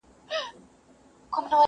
پر خپله مېنه د بلا لښکري!.